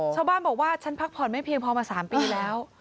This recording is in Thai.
ชาวบ้านบอกว่าฉันพักผ่อนไม่เพียงพอมา๓ปีแล้ว